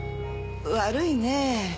悪いねえ